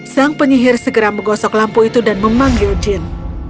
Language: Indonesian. sang penyihir segera menggosok lampu itu dan memanggil jin